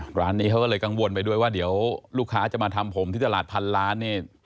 ร้านนี้เขาก็เลยกังวลไปด้วยว่าเดี๋ยวลูกค้าจะมาทำผมที่ตลาดพันล้านเนี่ย